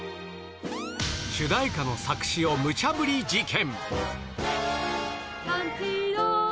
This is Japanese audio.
主題歌の作詞をむちゃぶり事件。